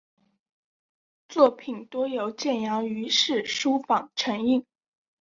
作品多由建阳余氏书坊承印。